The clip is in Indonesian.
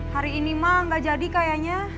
hari ini mak nggak jadi kayaknya